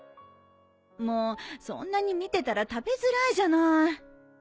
もうそんなに見てたら食べづらいじゃない